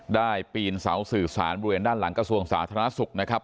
ปีนเสาสื่อสารบริเวณด้านหลังกระทรวงสาธารณสุขนะครับ